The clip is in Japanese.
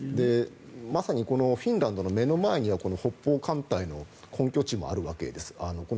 まさにフィンランドの目の前には北方艦隊の根拠地もあるわけです。